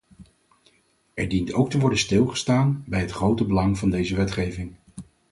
Er dient ook te worden stilgestaan bij het grote belang van deze wetgeving.